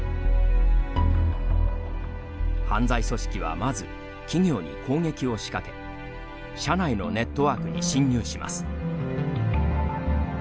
犯罪組織はまず企業に攻撃を仕掛け社内のネットワークに侵入します。